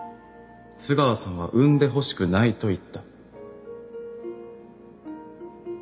津川さんは産んでほしくないと言った。